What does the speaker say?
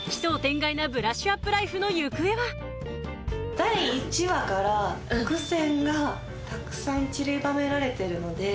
第１話から伏線がたくさんちりばめられてるので。